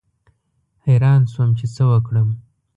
حیران شوم چې څه وکړم.